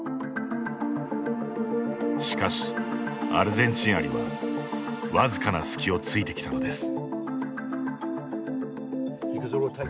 しかし、アルゼンチンアリはわずかな隙をついてきたのです。